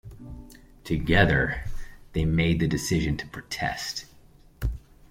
Together they made the decision to protest.